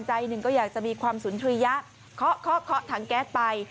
ใจหนึ่งก็อยากจะมีความสุนทรียะเคาะเคาะถังแก๊สไป